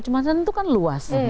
fobian itu kan luas